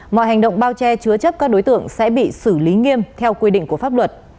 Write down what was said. mọi hành động bao che chứa chấp các đối tượng sẽ bị xử lý nghiêm theo quy định của pháp luật